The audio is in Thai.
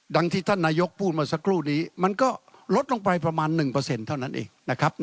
ที่ท่านนายกพูดเมื่อสักครู่นี้มันก็ลดลงไปประมาณ๑เท่านั้นเองนะครับ